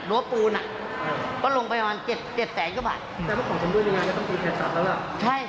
มีธุรกิจเสริมแบบนี้